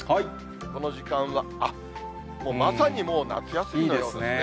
この時間は、あっ、まさにもう夏休みのようですね。